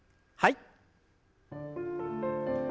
はい。